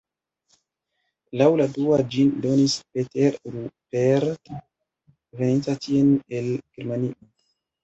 Laŭ la dua ĝin donis "Peter Rupert" veninta tien el Germanio.